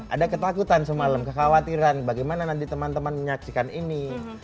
ada ketakutan semalam kekhawatiran bagaimana nanti teman teman menyaksikan ini